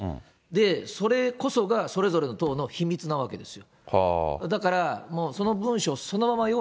で、それこそがそれぞれの党の秘密なわけです。